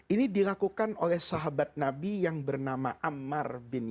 ini dilakukan oleh sahabat nabi yang bernama ammar bin